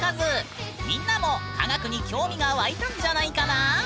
みんなも科学に興味が湧いたんじゃないかな？